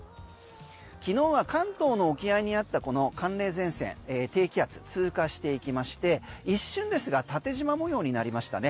昨日は関東の沖合にあったこの寒冷前線、低気圧通過していきまして一瞬ですが縦じま模様になりましたね。